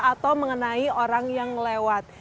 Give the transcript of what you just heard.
atau mengenai orang yang lewat